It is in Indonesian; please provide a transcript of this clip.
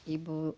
ibu siapkan apa